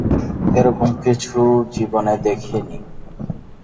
এরকম কিছু জীবনে দেখিনি।